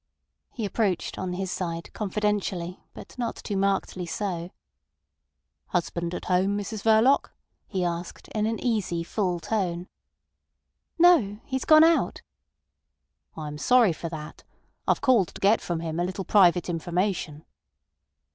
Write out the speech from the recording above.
He approached, on his side, confidentially, but not too markedly so. "Husband at home, Mrs Verloc?" he asked in an easy, full tone. "No. He's gone out." "I am sorry for that. I've called to get from him a little private information."